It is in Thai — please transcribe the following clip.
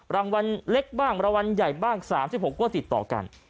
รางวัลเล็กบ้างรางวัลใหญ่บ้าง๓๖ก็ติดต่อกัน